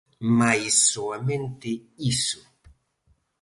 Mais soamente iso.